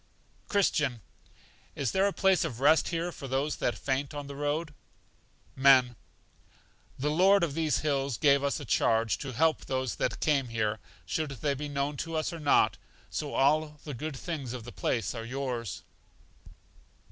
Christian. Is there a place of rest here for those that faint on the road? Men. The Lord of these Hills gave us a charge to help those that came here, should they be known to us or not; so all the good things of the place are yours.